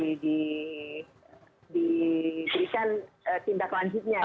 lalu apa yang diberikan tindak lanjutnya